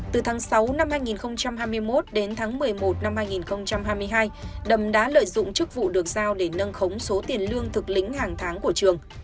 từ tháng sáu năm hai nghìn hai mươi một đến tháng một mươi một năm hai nghìn hai mươi hai đầm đã lợi dụng chức vụ được giao để nâng khống số tiền lương thực lĩnh hàng tháng của trường